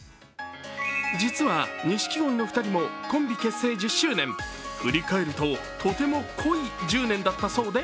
実は錦鯉の２人もコンビ結成１０周年振り返るととても濃い１０年だったそうで